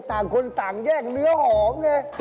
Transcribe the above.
ต่างคนต่างแยกเนื้อหอมไง